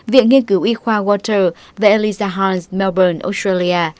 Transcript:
viện nghiên cứu y khoa walter và eliza hans melbourne australia